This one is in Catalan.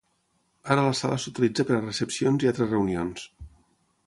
Ara la sala s'utilitza per a recepcions i altres reunions.